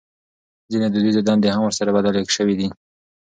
ځينې دوديزې دندې هم ورسره بدلې شوې دي.